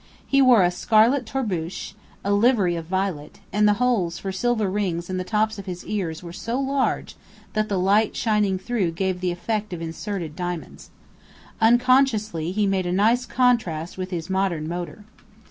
He wore a scarlet tarboosh, a livery of violet, and the holes for silver rings in the tops of his ears were so large that the light shining through gave the effect of inserted diamonds. Unconsciously he made a nice contrast with his modern motor.